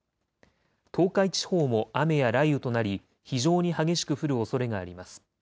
東海地方も雨や雷雨となり非常に激しく降るおそれがあります。